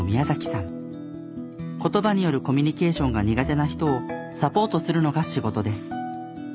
言葉によるコミュニケーションが苦手な人をサポートするのが仕事です。